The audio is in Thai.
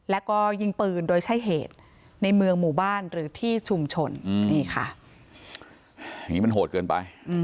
แล้วก็ยิงปืนโดยใช้เหตุในเมืองหมู่บ้านหรือที่ชุมชนนี่ค่ะ